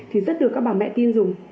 thì rất được các bà mẹ tin dùng